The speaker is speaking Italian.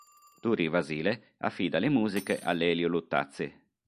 Turi Vasile affida le musiche a Lelio Luttazzi.